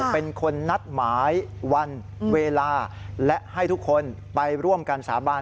เป็นคนนัดหมายวันเวลาและให้ทุกคนไปร่วมกันสาบาน